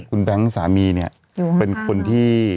คุณแบงค์สามีเนี่ยเป็นคนที่